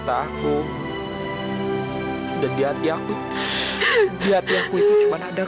kamu itu laki laki yang baik